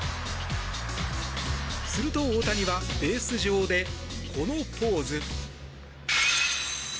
すると、大谷はベース上でこのポーズ。